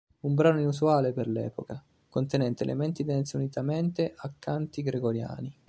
Un brano inusuale per l'epoca, contenente elementi dance unitamente ai canti gregoriani.